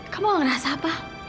kamu nggak merasa apa